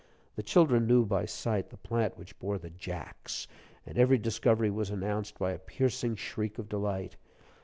The children knew by sight the plant which bore the "Jacks," and every discovery was announced by a piercing shriek of delight.